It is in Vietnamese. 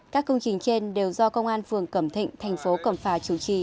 các công trình trên đều do công an phường cẩm thịnh thành phố cẩm phà chủ trì